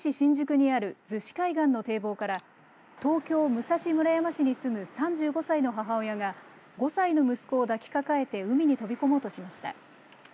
じゅくにある逗子海岸の堤防から東京、武蔵村山市に住む３５歳の母親が５歳の息子を抱き抱えて海に飛び込もうとしました。